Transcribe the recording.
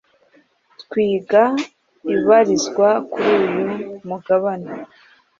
Twiga ibarizwa kuri uyu mugabane.